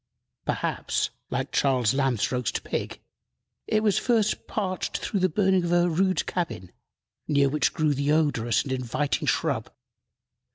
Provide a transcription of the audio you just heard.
Perhaps, like Charles Lamb's roast pig, it was first parched through the burning of a rude cabin, near which grew the odorous and inviting shrub.